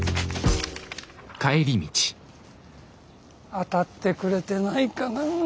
当たってくれてないかなぁ。